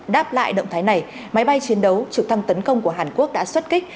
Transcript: đáp lại động thái này máy bay chiến đấu trực thăng tấn công của hàn quốc đã xuất kích